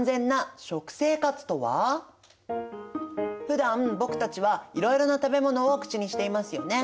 ふだん僕たちはいろいろな食べ物を口にしていますよね。